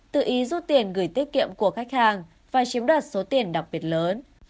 tự ý rút tiền gửi tiết kiệm của khách hàng và chiếm đoạt số tiền đặc biệt lớn